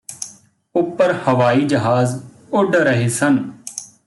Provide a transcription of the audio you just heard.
ਉਪਰ ਹਵਾਈ ਜਹਾਜ਼ ਉੱਡ ਰਹੇ ਸਨ